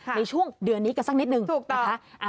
ในช่วงเดือนนี้กันสักนิดนึงนะคะ